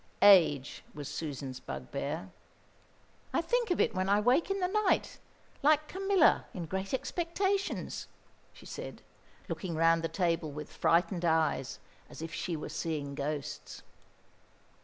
Age was Susan's bugbear. "I think of it when I wake in the night, like Camilla, in 'Great Expectations,'" she said, looking round the table with frightened eyes, as if she were seeing ghosts.